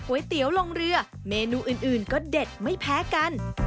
เตี๋ยวลงเรือเมนูอื่นก็เด็ดไม่แพ้กัน